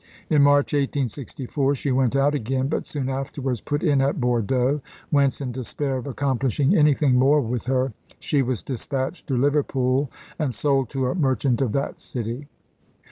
In March, 1864, she went out again, but soon afterwards put in at Bordeaux, whence, in despair of accomplishing anything more with her, she was dispatched to Liverpool and sold to a merchant of that city.